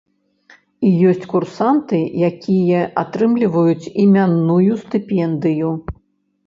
І ёсць курсанты, якія атрымліваюць імянную стыпендыю.